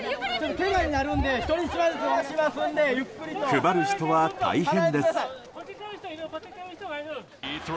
配る人は大変です。